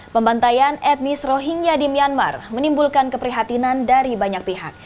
pembantaian etnis rohingya di myanmar menimbulkan keprihatinan dari banyak pihak